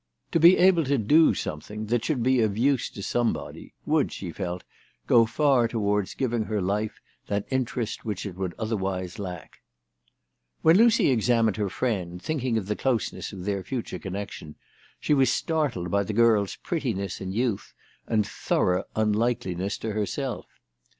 To be able to do something that should be of use to somebody would, she felt, go far towards giving her life that interest which it would otherwise lack. When Lucy examined her friend, thinking of the closeness of their future connection, she was startled by the girl's prettiness and youth, and thorough unlike ness to herself.